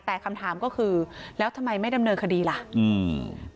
แต่คำถามก็คือแล้วทำไมไม่ดำเนินคดีล่ะอืม